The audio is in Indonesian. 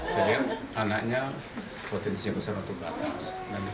jadi anaknya potensi yang besar untuk ke atas